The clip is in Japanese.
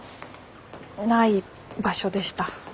ない場所でした。